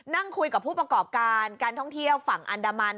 นั่งคุยกับผู้ประกอบการการท่องเที่ยวฝั่งอันดามัน